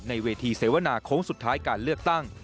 ในเวทีเสวนาโค้งสุดท้ายการเลือกตั้ง